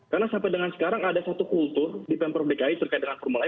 karena sampai dengan sekarang ada satu kultur di pemprov dki terkait dengan formula e